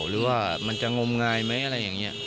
หรือว่ามันจะงมงายไหมอะไรอย่างนี้